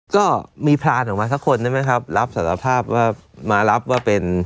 ก็มีพรานออกมาสักคนได้ไหมครับรับสารภาพว่ามารับว่าเป็น